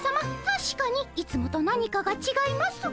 たしかにいつもと何かがちがいます。